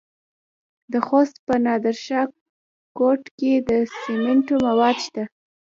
د خوست په نادر شاه کوټ کې د سمنټو مواد شته.